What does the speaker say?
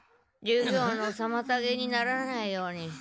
授業のさまたげにならないように。